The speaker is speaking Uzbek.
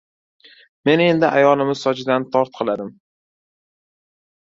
Men endi ayolimiz sochidan tortqiladim.